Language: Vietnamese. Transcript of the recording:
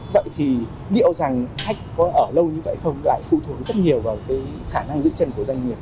vậy thì liệu rằng khách có ở lâu như vậy không lại phụ thuộc rất nhiều vào cái khả năng giữ chân của doanh nghiệp